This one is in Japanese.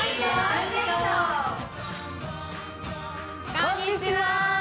こんにちは！